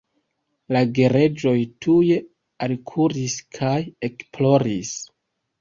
La gereĝoj tuj alkuris kaj ekploris.